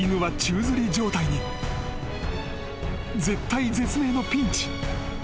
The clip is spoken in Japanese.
［絶体絶命のピンチ。